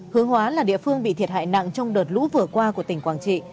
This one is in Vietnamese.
hướng hóa là địa phương bị thiệt hại nặng trong đợt lũ vừa qua của tỉnh quảng trị